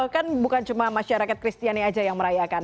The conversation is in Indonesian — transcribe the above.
kan bukan cuma masyarakat kristiani aja yang merayakan